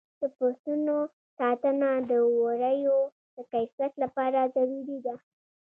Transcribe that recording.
د پسونو ساتنه د وړیو د کیفیت لپاره ضروري ده.